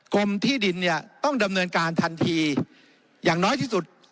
กรมที่ดินเนี่ยต้องดำเนินการทันทีอย่างน้อยที่สุด